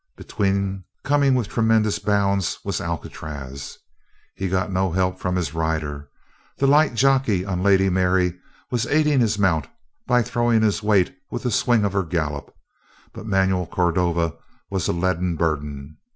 Between, coming with tremendous bounds, was Alcatraz. He got no help from his rider. The light jockey on Lady Mary was aiding his mount by throwing his weight with the swing of her gallop, but Manuel Cordova was a leaden burden.